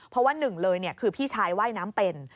เพราะว่าหนึ่งเลยคือพี่ชายว่ายน้ำเป็น